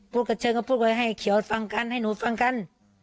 เชิญก็พูดไว้ให้เขียวฟังกันให้หนูฟังกัน